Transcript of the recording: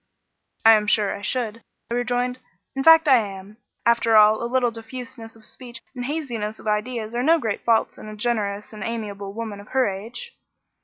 "I am sure I should," I rejoined; "in fact, I am. After all, a little diffuseness of speech and haziness of ideas are no great faults in a generous and amiable woman of her age."